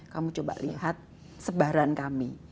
kamu coba lihat sebaran kami